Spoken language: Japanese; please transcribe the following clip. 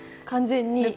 完全に。